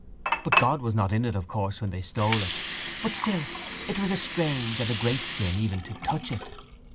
But God was not in it of course when they stole it. But still it was a strange and a great sin even to touch it.